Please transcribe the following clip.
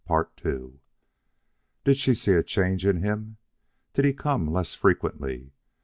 Did she see a change in him? Did he come less frequently?